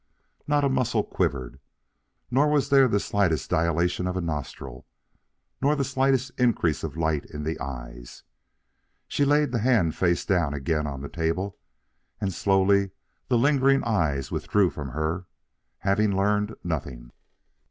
Not a muscle quivered; nor was there the slightest dilation of a nostril, nor the slightest increase of light in the eyes. She laid the hand face down again on the table, and slowly the lingering eyes withdrew from her, having learned nothing.